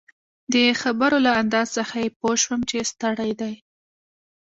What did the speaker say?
د خبرو له انداز څخه يې پوه شوم چي ستړی دی.